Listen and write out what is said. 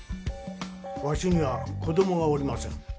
わしには子どもがおりません。